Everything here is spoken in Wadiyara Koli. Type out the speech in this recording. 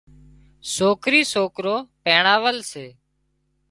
سوڪري سوڪرو پينڻاول سي